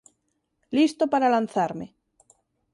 Listo para lanzarme.